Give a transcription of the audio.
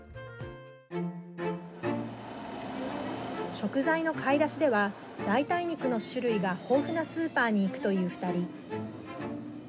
食材の買い出しでは代替肉の種類が豊富なスーパーに行くという２人。